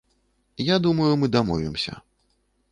Я думаю, мы дамовімся.